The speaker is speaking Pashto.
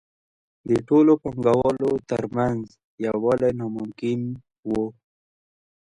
د ټولو پانګوالو ترمنځ یووالی ناممکن وو